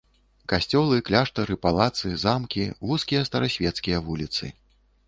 Касцёлы, кляштары, палацы, замкі, вузкія старасвецкія вуліцы.